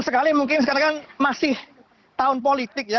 sekali mungkin sekarang kan masih tahun politik ya